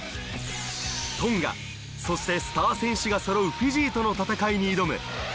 トンガ、そしてスター選手が揃う、フィジーとの戦いに挑む。